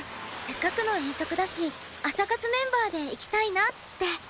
せっかくの遠足だし朝活メンバーで行きたいなって。